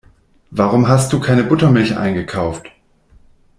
Warum hast du keine Buttermilch eingekauft?